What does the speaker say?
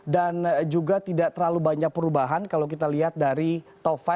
dan juga tidak terlalu banyak perubahan kalau kita lihat dari top lima